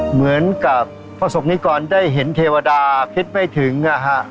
เหมือนกับพระศพนี้ก่อนได้เห็นเทวดาคิดไม่ถึงนะฮะ